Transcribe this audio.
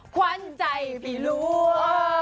ควันใจผิดล่วง